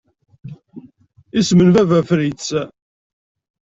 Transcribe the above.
Isem n Baba Fritz.